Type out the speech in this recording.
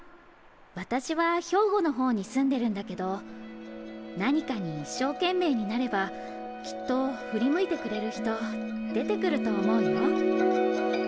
私は兵庫の方に住んでるんだけど何かに一生懸命になればきっと振り向いてくれる人でてくると思うよ」。